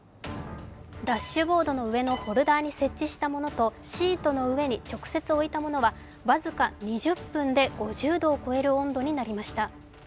ダッシュボードの上のホルダーに設置したものとシートの上に直接置いたものは僅か２０分で５０度を超える温度となりました。